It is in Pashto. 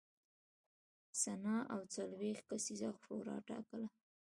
سنا او څلوېښت کسیزه شورا ټاکله.